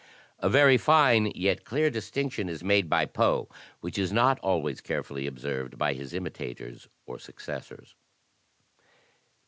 A very fine yet clear distinction is made by Poe which is not always carefully observed by his imitators or successors.